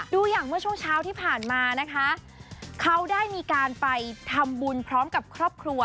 อย่างเมื่อช่วงเช้าที่ผ่านมานะคะเขาได้มีการไปทำบุญพร้อมกับครอบครัว